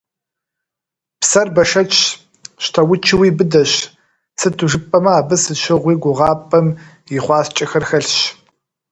Псэр бэшэчщ, щтаучуи быдэщ, сыту жыпӀэмэ, абы сыт щыгъуи гугъапӀэм и хъуаскӀэхэр хэлъщ.